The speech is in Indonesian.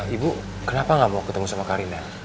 ibu kenapa nggak mau ketemu sama karina